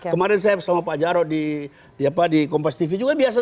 kemarin saya bersama pak jarod di kompas tv juga biasa